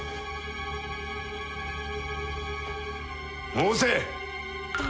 申せ！